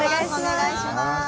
お願いします。